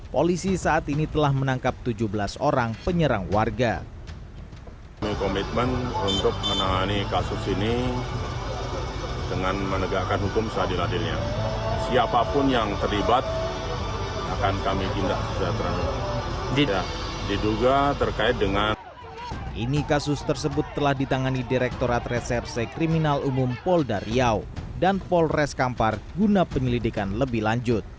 polisi saat ini telah menangkap tujuh belas orang penyerang warga